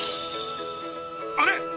あれ？